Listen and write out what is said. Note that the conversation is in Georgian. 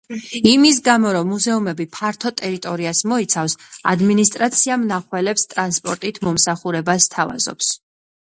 იმის გამო, რომ მუზეუმები ფართო ტერიტორიას მოიცავს, ადმინისტრაცია მნახველებს ტრანსპორტით მომსახურებას სთავაზობს.